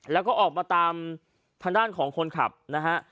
แล้วก็ออกมาตามทางด้านของคนขับนะฮะ